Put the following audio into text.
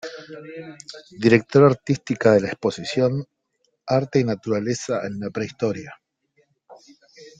Directora artística de la exposición "Arte y naturaleza en la prehistoria".